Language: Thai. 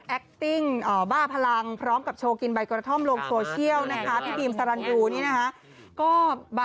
ติ้งบ้าพลังพร้อมกับโชว์กินใบกระท่อมลงโซเชียลนะคะพี่บีมสรรยูนี่นะคะ